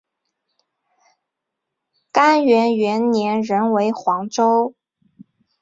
干元元年仍为黄州。